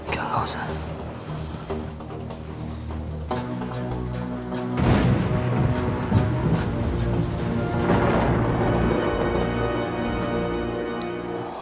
gak gak usah